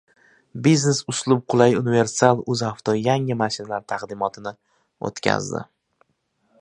Biznes. Uslub. Qulay. Universal — UzAuto yangi mashinalar taqdimotini o‘tkazdi